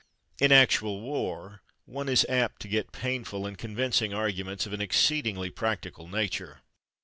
In actual war one is apt to get painful and convincing arguments of an exceedingly practical nature.